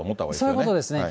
そういうことですね。